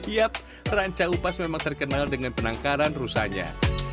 yap ranca upas memang terkenal dengan penangkaran rusanya